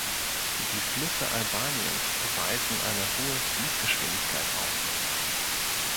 Die Flüsse Albaniens weisen eine hohe Fließgeschwindigkeit auf.